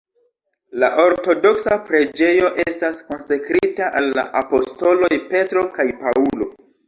La ortodoksa preĝejo estas konsekrita al la apostoloj Petro kaj Paŭlo.